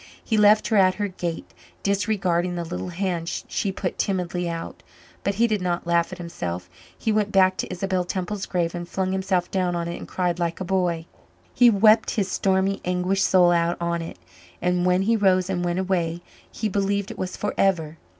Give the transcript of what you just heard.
He left her at her gate, disregarding the little hand she put timidly out but he did not laugh at himself. He went back to Isabel Temple's grave and flung himself down on it and cried like a boy. He wept his stormy, anguished soul out on it; and when he rose and went away, he believed it was forever.